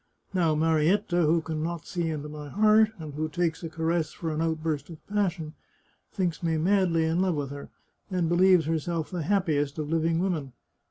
Now, Marietta, who can not see into my heart, and who takes a caress for an outburst of passion, thinks me madly in love with her, and believes herself the happiest of living women."